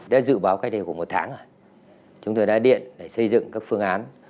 đã dự báo cách đây khoảng một tháng rồi chúng tôi đã điện để xây dựng các phương án